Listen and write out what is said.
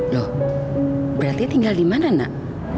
loh berarti tinggal di mana nak